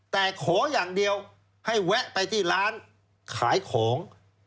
แต่ขออย่างเดียวให้แวะไปที่ร้านขายของ